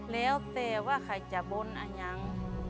แล้วแต่ว่าใครจะบนอ่ะยัง